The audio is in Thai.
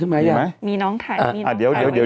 มีน้องถ่ายครับอะไรอยู่ด้วย